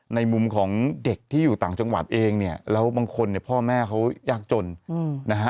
ในมุมของเด็กที่อยู่ต่างจังหวัดเองเนี่ยแล้วบางคนเนี่ยพ่อแม่เขายากจนนะฮะ